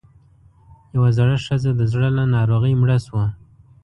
يوه زړه ښځۀ د زړۀ له ناروغۍ مړه شوه